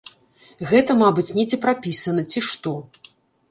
Гэта, мабыць, недзе прапісана ці што.